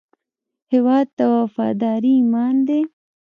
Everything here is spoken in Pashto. هیواد ته وفاداري ایمان دی